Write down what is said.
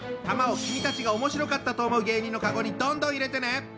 玉を君たちがおもしろかったと思う芸人のカゴにどんどん入れてね。